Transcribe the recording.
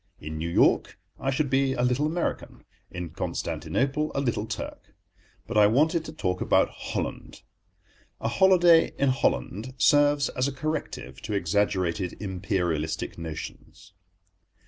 In New York I should be a Little American; in Constantinople a Little Turk. But I wanted to talk about Holland. A holiday in Holland serves as a corrective to exaggerated Imperialistic notions.